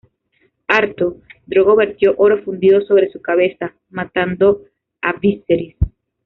Harto, Drogo vertió oro fundido sobre su cabeza, matando a Viserys.